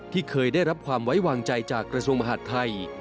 ที่เคยได้รับความไว้วางใจจากกระทรวงมหาดไทย